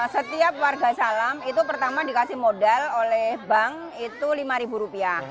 setiap warga salam itu pertama dikasih modal oleh bank itu rp lima